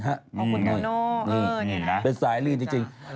ขอบคุณโนโน่นี่นะครับเป็นสายลื่นจริง